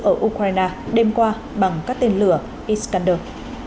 ở ukraine đêm qua bằng các tên lửa iskander